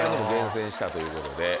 厳選したということで。